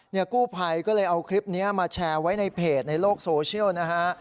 กู้ภัยก็เลยเอาคลิปนี้มาแชร์ไว้ในเพจในโลกโซเชียลนะฮะ